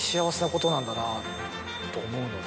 なんだなと思うので。